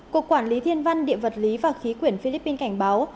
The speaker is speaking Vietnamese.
cục quản lý thiên văn địa vật lý và khí quyển philippines cảnh báo